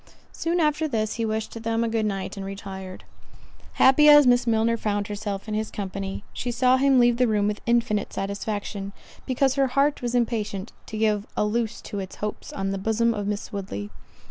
Soon after this, he wished them a good night, and retired. Happy as Miss Milner found herself in his company, she saw him leave the room with infinite satisfaction, because her heart was impatient to give a loose to its hopes on the bosom of Miss Woodley.